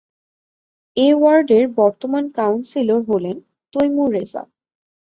এ ওয়ার্ডের বর্তমান কাউন্সিলর হলেন তৈমুর রেজা।